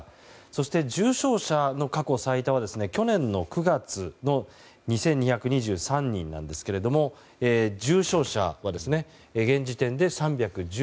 そして、重症者の過去最多は去年９月の２２２３人なんですが重症者は現時点で３１１人。